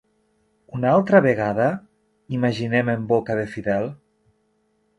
"Una altra vegada?" —imaginem en boca de Fidel—.